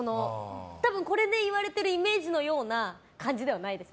多分、これで言われているイメージのような感じではないです。